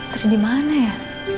putri dimana ya